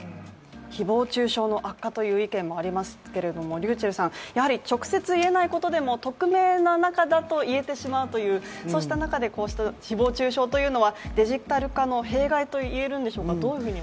誹謗中傷の悪化という意見もありますけれども直接言えないことでも匿名の中だと言えてしまうというそうした中で、こうした誹謗中傷はデジタル化の弊害といえるんでしょうか。